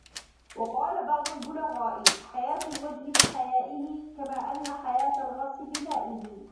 وَقَالَ بَعْضُ الْبُلَغَاءِ حَيَاةُ الْوَجْهِ بِحَيَائِهِ ، كَمَا أَنَّ حَيَاةَ الْغَرْسِ بِمَائِهِ